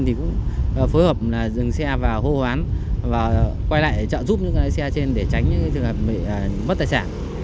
thì cũng phối hợp dừng xe và hô hoán và quay lại trợ giúp những cái lái xe trên để tránh những trường hợp mất tài sản